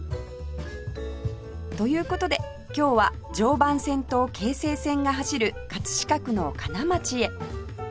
という事で今日は常磐線と京成線が走る飾区の金町へ